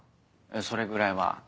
それぐらいは。